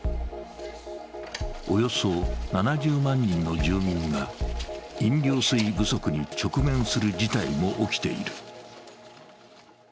およそ７０万人の住民が飲料水不足に直面する事態も起きている。